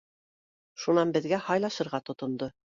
Шунан беҙгә һайлашырға тотондо: